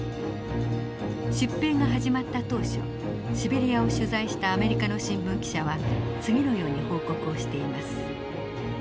出兵が始まった当初シベリアを取材したアメリカの新聞記者は次のように報告をしています。